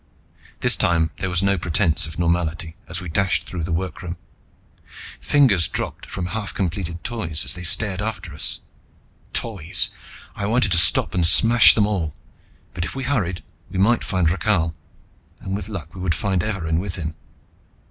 This time there was no pretense of normality as we dashed through the workroom. Fingers dropped from half completed Toys as they stared after us. Toys! I wanted to stop and smash them all. But if we hurried, we might find Rakhal. And, with luck, we would find Evarin with him.